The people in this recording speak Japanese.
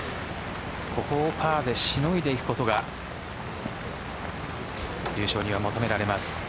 ここをパーでしのいでいくことが優勝には求められます。